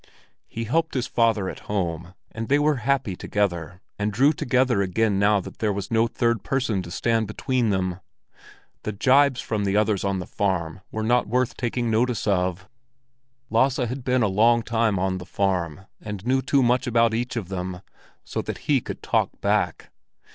He helped his father at home, and they were happy together and drew together again now that there was no third person to stand between them. The gibes from the others on the farm were not worth taking notice of; Lasse had been a long time on the farm, and knew too much about each of them, so that he could talk back.